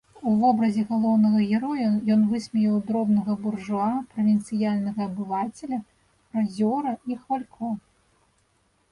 У вобразе галоўнага героя ён высмеяў дробнага буржуа, правінцыяльнага абывацеля, фразёра і хвалько.